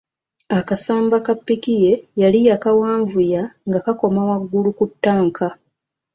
Akasamba ka ppiki ye yali yakawanvuya nga kakoma waggulu ku ttanka.